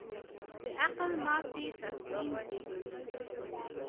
د عقل ماتې تسلیم زېږوي.